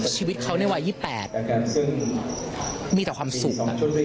ชีวิตเขาในวัย๒๘ซึ่งมีแต่ความสุข